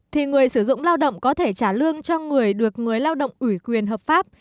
thì người sử dụng lao động có thể trả lương cho người được người lao động ủy quyền hợp pháp